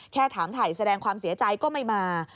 แค่ถามถ่ายแสดงความเสียใจก็ไม่มา